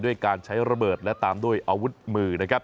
ด้วยการใช้ระเบิดและตามด้วยอาวุธมือนะครับ